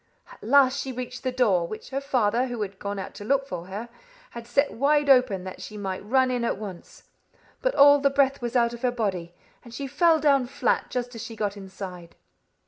At last she reached the door, which her father, who had gone out to look for her, had set wide open that she might run in at once; but all the breath was out of her body, and she fell down flat just as she got inside."